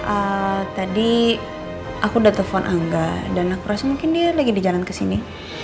eee tadi aku udah telepon angga dan aku rasa mungkin dia lagi di jalan ke sini